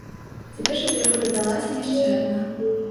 Цяпер жа да яго дадалася яшчэ адна.